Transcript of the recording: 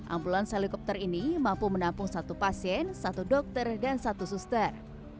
ambulans helikopter ini mampu menampung satu pasien satu dokter dan satu suster